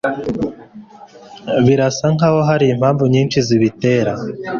Birasa nkaho hari impamvu nyinshi zibitera